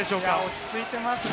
落ち着いていますね。